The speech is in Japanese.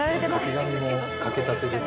掛け紙も掛けたてです。